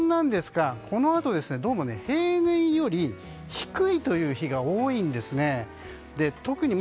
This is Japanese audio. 気温なんですが、このあとどうも平年より低いという日が多いんですね。